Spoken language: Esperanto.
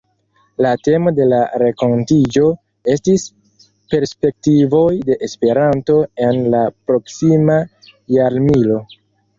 La temo de la renkontiĝo estis “Perspektivoj de Esperanto en la Proksima Jarmilo”.